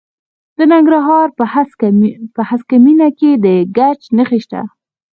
د ننګرهار په هسکه مینه کې د ګچ نښې شته.